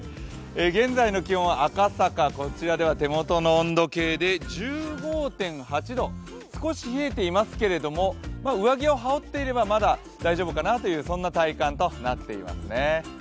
現在の気温は赤坂、こちらでは手元の温度計で１５．８度、少し冷えていますけれども、上着を羽織っていればまだ大丈夫かなと、そんな体感になっていますね。